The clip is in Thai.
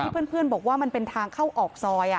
เพื่อนบอกว่ามันเป็นทางเข้าออกซอย